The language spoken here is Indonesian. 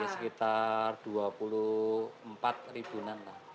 ya sekitar rp dua puluh empat an lah